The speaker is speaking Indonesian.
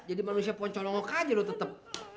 jadi manusia poncolongok aja lu tetep